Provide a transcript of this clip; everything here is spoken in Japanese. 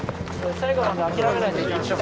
最後まで諦めないでいきましょう。